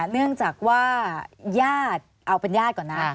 เนื่องจากว่าญาติเอาเป็นญาติก่อนนะ